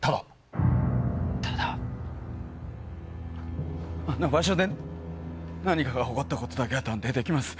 ただあの場所で何かが起こったことだけは断定できます。